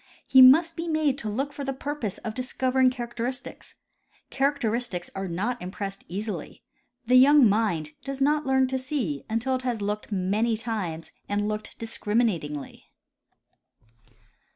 He must be made to look for the purpose of discovering characteristics. Characteristics are not impressed easily. The young mind does not learn to see until it has looked many times and looked discriminatingly.